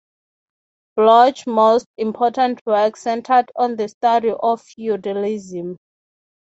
Bloch's most important work centered on the study of feudalism.